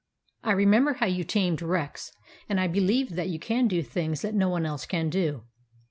I remember how you tamed Rex ; and I believe that you can do things that no one else can do.